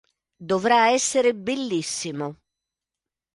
Dovrà essere bellissimo.